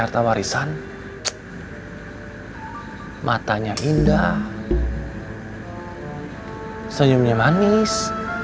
mata warisan matanya indah senyumnya manis